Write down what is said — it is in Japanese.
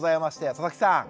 佐々木さん。